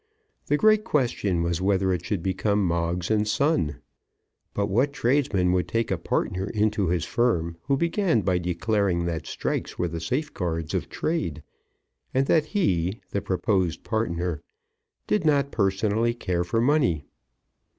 The great question was whether it should become Moggs and Son. But what tradesman would take a partner into his firm who began by declaring that strikes were the safeguards of trade, and that he, the proposed partner, did not personally care for money?